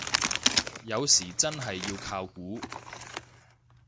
有時真係要靠估